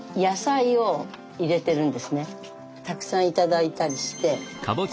たくさん頂いたりして。